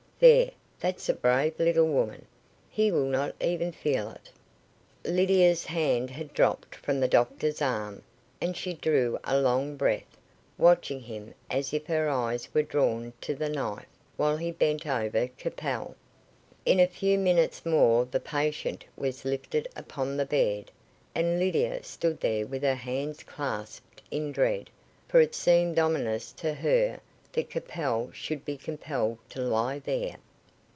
There, that's a brave little woman. He will not even feel it." Lydia's hand had dropped from the doctor's arm, and she drew a long breath, watching him as if her eyes were drawn to his knife, while he bent over Capel. In a few minutes more the patient was lifted upon the bed, and Lydia stood there with her hands clasped in dread, for it seemed ominous to her that Capel should be compelled to lie there.